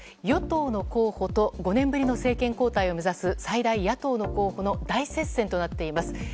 与党の候補と５年ぶりの政権交代を目指す最大野党の候補の大接戦となっています。